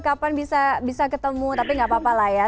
kapan bisa ketemu tapi nggak apa apa lah ya